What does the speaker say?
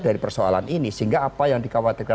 dari persoalan ini sehingga apa yang dikhawatirkan